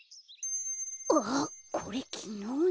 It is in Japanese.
あっこれきのうの。